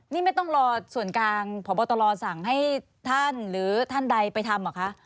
นี่ไม่ต้องรอส่วนกลางพบตรสั่งให้ท่านหรือท่านใดไปทำเหรอคะ